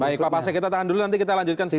baik pak pasek kita tahan dulu nanti kita lanjutkan